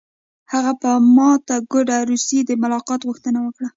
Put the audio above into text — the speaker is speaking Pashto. هغه په ماته ګوډه روسي د ملاقات غوښتنه وکړه